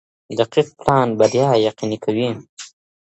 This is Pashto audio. دقيق پلان بريا يقيني کوي.